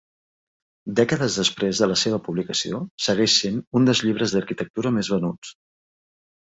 Dècades després de la seva publicació, segueix sent un dels llibres d'arquitectura més venuts.